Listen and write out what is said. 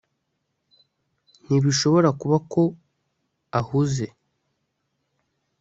ntibishobora kuba ko ahuze